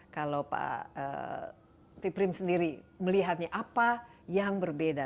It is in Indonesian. kalau pak piprim sendiri melihatnya apa yang berbeda